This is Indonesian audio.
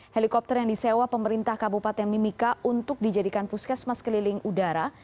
helikopter yang disewa pemerintah kabupaten mimika untuk dijadikan puskesmas keliling udara